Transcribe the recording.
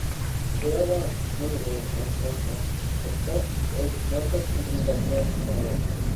Whale Watch Limited in Kaikoura is one such company that he helped set up.